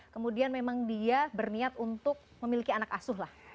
kemudian memang dia berniat untuk memiliki anak asuh lah